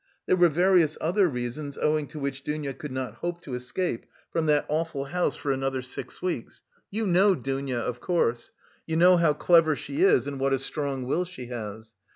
There were various other reasons owing to which Dounia could not hope to escape from that awful house for another six weeks. You know Dounia, of course; you know how clever she is and what a strong will she has.